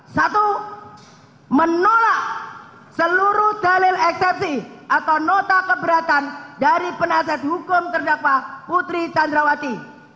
satu menolak seluruh dalil eksepsi atau nota keberatan dari penasihat hukum terdakwa putri candrawati